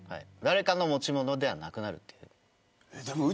誰かの持ち物ではなくなるっていう。